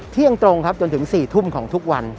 เที่ยงตรงครับจนถึง๔ทุ่มของทุกวัน